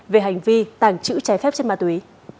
về hành vi tàng trữ trái phép chất ma túy